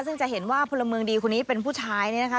ซึ่งจะเห็นว่าพลเมืองดีคนนี้เป็นผู้ชายเนี่ยนะคะ